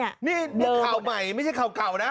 นี่ข่าวใหม่ไม่ใช่ข่าวเก่านะ